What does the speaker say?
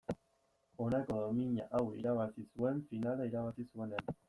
Honako domina hau irabazi zuen finala irabazi zuenean.